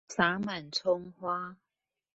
灑滿蔥花